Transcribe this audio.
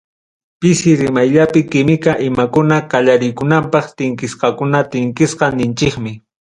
Pisi rimayllapi química, imakuna qallariykunaman tinkisqakunaqa tinkisqa ninchikmi.